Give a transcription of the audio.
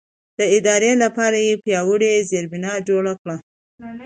د ادارې لپاره یې پیاوړې زېربنا جوړه کړه.